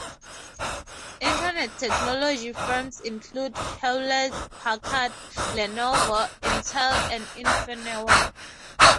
Internet technology firms include Hewlett-Packard, Lenovo, Intel, and Infineon.